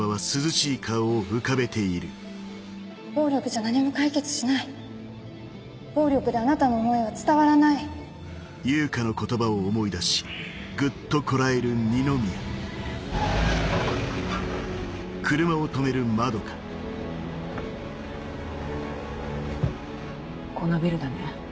暴力じゃ何も解決しない暴力であなたの思いは伝わらないこのビルだね。